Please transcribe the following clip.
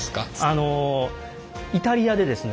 あのイタリアでですね